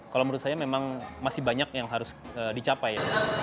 kalau menurut saya memang masih banyak yang harus dicapai